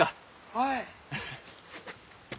はい。